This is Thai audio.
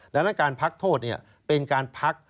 ดังนั้นการพักโทษเป็นการพัก